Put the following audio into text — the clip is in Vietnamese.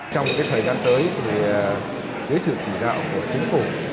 trong thời gian tới dưới sự chỉ đạo của chính phủ